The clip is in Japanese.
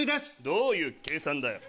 どういう計算だよ。